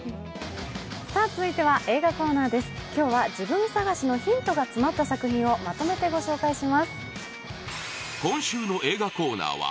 続いては、映画コーナーです今日は自分探しのヒントが詰まった作品をまとめてご紹介します。